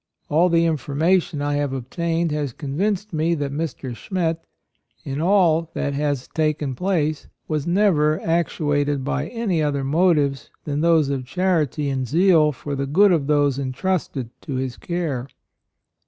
All the information I have ob tained has convinced me that Mr. Schmet, in all that has taken 104 A ROYAL SON place, was never actuated by any other motives than those of charity and zeal for the good of those entrusted to his care.